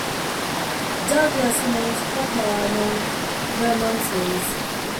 Douglas remains popular among Vermonters.